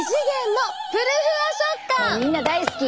もうみんな大好き。